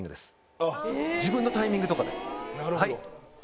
自分のタイミングとかで「はい」。